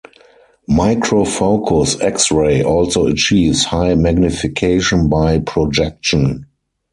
Microfocus X-ray also achieves high magnification by projection.